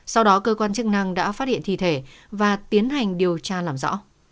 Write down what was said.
sau đó cơ quan chức năng đã phát hiện thi thể và tiến hành điều tra làm rõ